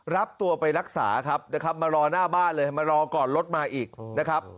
รับตัวไปรักษาครับนะครับมารอหน้าบ้านเลยมารอก่อนรถมาอีกนะครับ